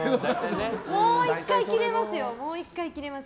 もう１回、切れますよ。